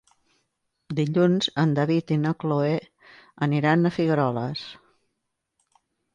Dilluns en David i na Cloè aniran a Figueroles.